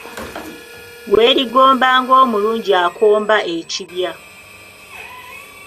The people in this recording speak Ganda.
Weerigomba ng'omulungi akomba ekibya.